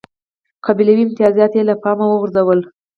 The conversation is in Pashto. قبیلوي امتیازات یې له پامه وغورځول.